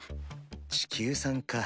地球産か。